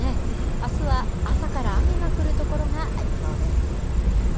あすは朝から雨が降る所がありそうです。